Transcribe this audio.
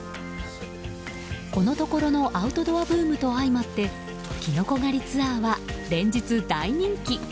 このところのアウトドアブームと相まってキノコ狩りツアーは連日、大人気。